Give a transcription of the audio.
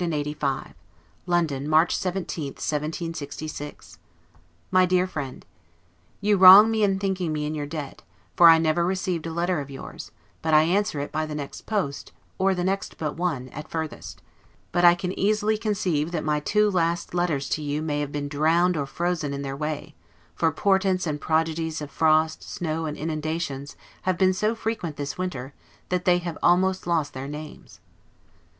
I fear he is totally undone. LETTER CCLXXXV LONDON, March 17, 1766. MY DEAR FRIEND: You wrong me in thinking me in your debt; for I never receive a letter of yours, but I answer it by the next post, or the next but one, at furthest: but I can easily conceive that my two last letters to you may have been drowned or frozen in their way; for portents and prodigies of frost, snow, and inundations, have been so frequent this winter, that they have almost lost their names.